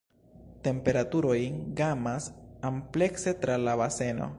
Temperaturoj gamas amplekse tra la baseno.